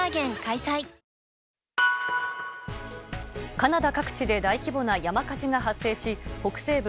カナダ各地で大規模な山火事が発生し北西部